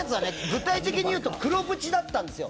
具体的にいうと黒縁だったんですよ。